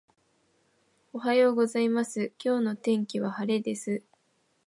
おはようございます、今日の天気は晴れです。